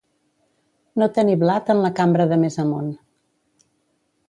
No tenir blat en la cambra de més amunt.